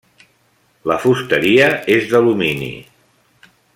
La fusteria és d'alumini.